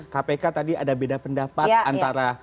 kpk tadi ada beda pendapat antara